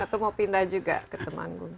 atau mau pindah juga ke temanggung